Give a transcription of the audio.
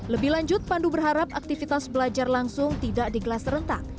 lebih lanjut pandu berharap aktivitas belajar langsung tidak digelas rentak